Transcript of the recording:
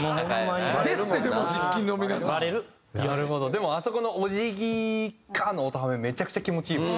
でもあそこのお辞儀カッ！の音ハメめちゃくちゃ気持ちいいもん。